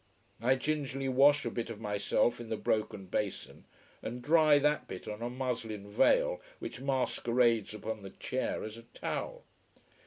I gingerly wash a bit of myself in the broken basin, and dry that bit on a muslin veil which masquerades upon the chair as a towel.